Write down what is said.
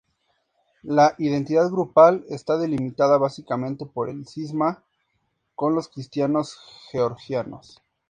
La identidad grupal está delimitada básicamente por el cisma con los cristianos georgianos.